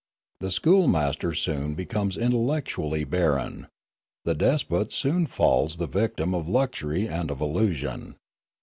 The schoolmaster soon becomes intellectually barren; the despot soon falls the victim of luxury and of illusion.